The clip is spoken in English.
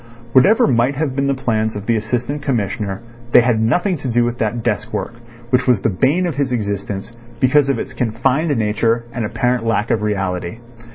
Whatever might have been the plans of the Assistant Commissioner they had nothing to do with that desk work, which was the bane of his existence because of its confined nature and apparent lack of reality.